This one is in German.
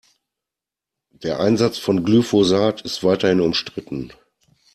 Der Einsatz von Glyphosat ist weiterhin umstritten.